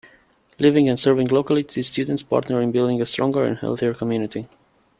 Living and serving locally, these students partner in building a stronger and healthier community.